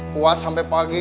kuat sampai pagi